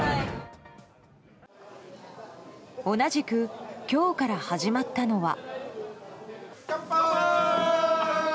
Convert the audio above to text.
同じく今日から始まったのは。